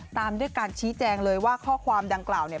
ตามด้วยการชี้แจงเลยว่าข้อความดังกล่าวเนี่ย